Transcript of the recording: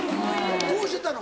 どうしてたの？